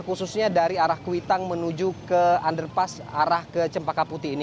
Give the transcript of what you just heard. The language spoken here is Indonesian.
khususnya dari arah kuitang menuju ke underpass arah ke cempaka putih ini